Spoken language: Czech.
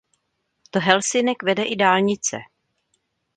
Do Helsinek vede i dálnice.